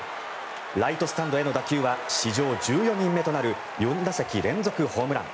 ライトスタンドへの打球は史上１４人目となる４打席連続ホームラン。